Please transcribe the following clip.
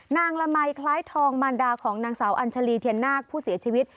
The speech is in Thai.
ละมัยคล้ายทองมารดาของนางสาวอัญชาลีเทียนนาคผู้เสียชีวิต